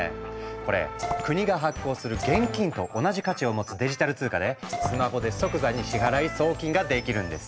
これ国が発行する現金と同じ価値を持つデジタル通貨でスマホで即座に支払い・送金ができるんです。